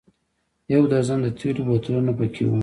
یو درجن د تېلو بوتلونه په کې و.